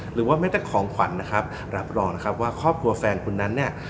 หรือว่าแม้แต่ของขวัญนะครับรับรองนะครับว่าครอบครัวแฟนคุณนั้นเนี่ย